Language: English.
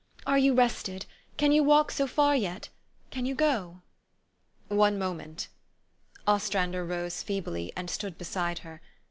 " Are you rested? Can you walk so far yet ? Can you go ?'*" One moment." Ostrander rose feebly, and stood beside her.